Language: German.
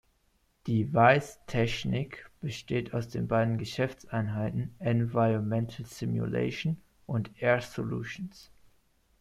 Die Weiss Technik besteht aus den beiden Geschäftseinheiten "Environmental Simulation" und "Air Solutions".